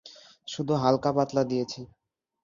শুধু হালকাপাতলা দিয়েছি।